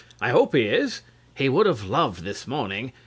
I hope he is. He would have loved this morning.